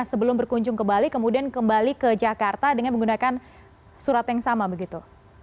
sebelum berkunjung ke bali kemudian kembali ke jakarta dengan menggunakan surat yang sama begitu